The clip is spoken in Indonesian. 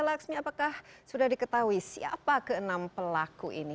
laksmi apakah sudah diketahui siapa keenam pelaku ini